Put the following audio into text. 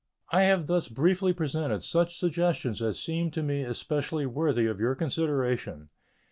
I have thus briefly presented such suggestions as seem to me especially worthy of your consideration.